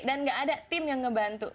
dan gak ada tim yang ngebantu